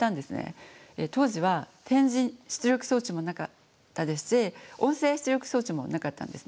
当時は点字出力装置もなかったですし音声出力装置もなかったんですね。